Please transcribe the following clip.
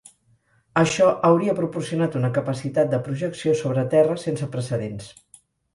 Això hauria proporcionat una capacitat de projecció sobre terra sense precedents.